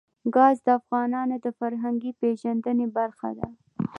ګاز د افغانانو د فرهنګي پیژندنې برخه ده.